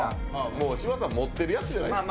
もう芝さん持ってるやつじゃないですか。